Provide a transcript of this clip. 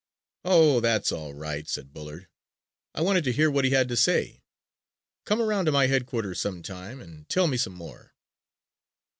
"Oh, that's all right," said Bullard, "I wanted to hear what he had to say. Come around to my headquarters sometime and tell me some more."